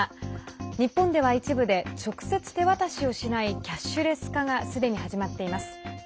日本では一部で直接、手渡しをしないキャッシュレス化がすでに始まっています。